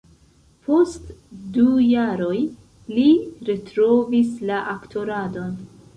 Post du jaroj, li retrovis la aktoradon.